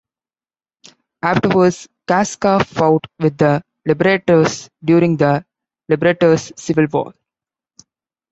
Afterwards, Casca fought with the liberators during the Liberators' civil war.